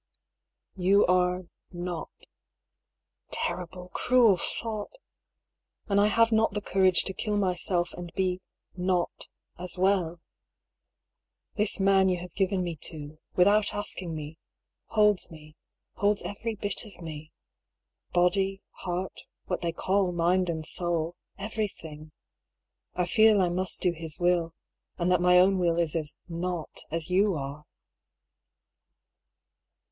You are not. Terrible, cruel thought ! And I have not the courage to kill myself and be not^ as well. This man you have given me to, without asking me, holds me, holds every bit of me — body, heart, what they call mind and soul — everything. I feel I must do his will, and that my own will is as not as you are.